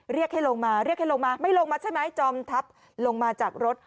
เรียกให้ลงมาเรียกให้ลงมาไม่ลงมาใช่ไหมจอมทัพลงมาจากรถ